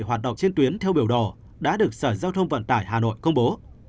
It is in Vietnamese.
hoạt động trên tuyến theo biểu đồ đã được sở giao thông vận tải hà nội công bố